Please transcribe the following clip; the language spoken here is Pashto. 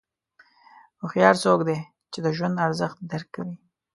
هوښیار څوک دی چې د ژوند ارزښت درک کوي.